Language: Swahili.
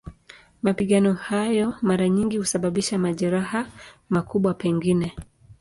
Mapigano hayo mara nyingi husababisha majeraha, makubwa pengine.